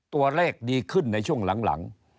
ตัวเลขดีขึ้นในช่วงหลัง